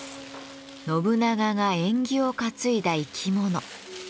信長が縁起を担いだ生き物。